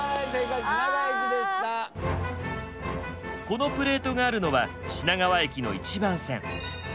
このプレートがあるのは品川駅の１番線。